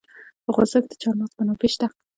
په افغانستان کې د چار مغز منابع شته.